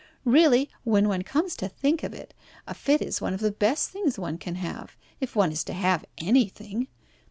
Really, when one comes to think of it, a fit is one of the best things one can have, if one is to have anything.